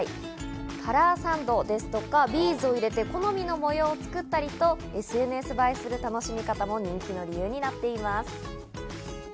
カラーサンドですとかビーズを入れて、好みの模様を作ったりとＳＮＳ映えする楽しみ方も人気の理由になっています。